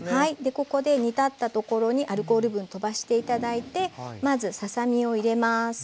ここで煮立ったところにアルコール分とばして頂いてまずささ身を入れます。